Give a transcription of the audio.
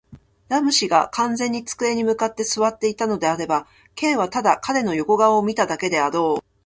ラム氏が完全に机に向って坐っていたのであれば、Ｋ はただ彼の横顔を見ただけであろう。